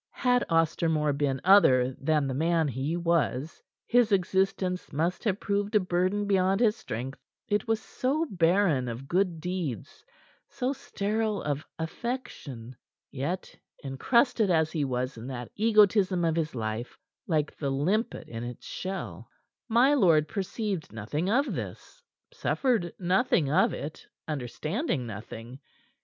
Had Ostermore been other than the man he was, his existence must have proved a burden beyond his strength. It was so barren of good deeds, so sterile of affection. Yet encrusted as he was in that egotism of his like the limpet in its shell my lord perceived nothing of this, suffered nothing of it, understanding nothing.